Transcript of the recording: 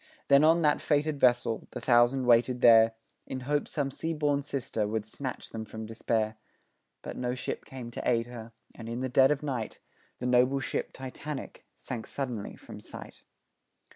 Then, on that fated vessel, the thousand waited there In hope some sea born sister would snatch them from despair, But no ship came to aid her, and, in the dead of night, The noble ship Titanic sank suddenly from sight.